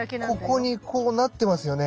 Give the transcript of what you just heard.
ここにこうなってますよね。